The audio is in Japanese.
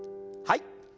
はい。